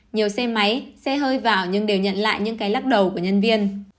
nhiều xe máy xe hơi vào nhưng đều nhận lại những cái lắc đầu của nhân viên